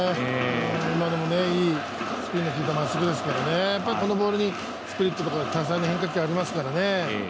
今のもいいスピンのきいた球を投げますからね、このボールにスプリットとか多彩な変化球ありますからね。